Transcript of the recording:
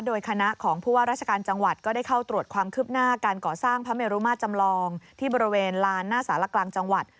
โดยคณะของผู้ว่าราชการจังหวัดก็ได้เข้าตรวจความคืบหน้าการก่อสร้างพระเมรุมาตรจำลองที่บริเวณลานหน้าสารกลางจังหวัด